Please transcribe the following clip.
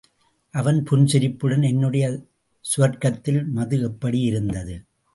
அவன் புன்சிரிப்புடன் என்னுடைய சுவர்க்கத்தில் மது எப்படியிருந்தது?